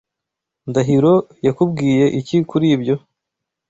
Ndahiro yakubwiye iki kuri ibyo?